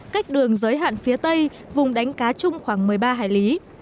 cách đường giới hạn phía tây vùng đánh cá chung khoảng một mươi ba hải lý